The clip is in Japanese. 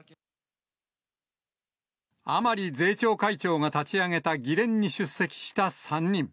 甘利税調会長が立ち上げた議連に出席した３人。